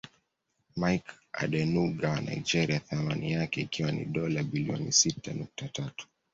Mike Adenuga wa Nigeria thamani yake ikiwa ni dola bilioni sita nukta tatu